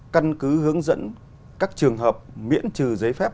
căn cứ hướng dẫn các trường hợp miễn trừ giấy phép